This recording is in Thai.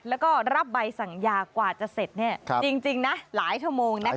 แล้วก็รับใบสั่งยากว่าจะเสร็จจริงนะหลายชั่วโมงนะคะ